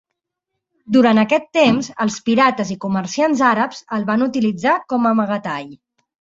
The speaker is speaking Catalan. Durant aquest temps, els pirates i comerciants àrabs el van utilitzar com a amagatall.